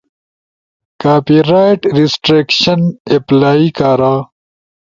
کاپی رائٹ ریسٹریکشن اپلائی کارا۔